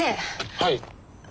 はい。